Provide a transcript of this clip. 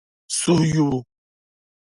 suhuyubu.